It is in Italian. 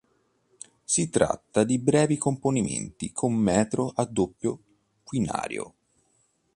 Si tratta di brevi componimenti con metro a doppio quinario.